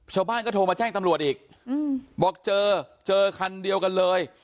ชาวบ้านก็โทรมาแจ้งตำรวจอีกบอกเจอเจอคันเดียวกันเลย